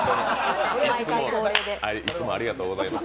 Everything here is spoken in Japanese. あれ、いつもありがとうございます。